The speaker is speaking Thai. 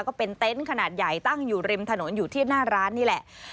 ก็เป็นเต็นต์ขนาดใหญ่ตั้งอยู่ริมถนนอยู่ที่หน้าร้านนี่แหละ